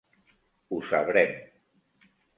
Ho sabrem.